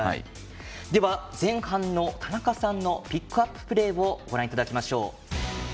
では前半の田中さんのピックアッププレーをご覧いただきましょう。